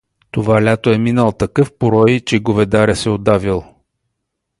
Това лято е минал такъв порой, че говедаря се удавил.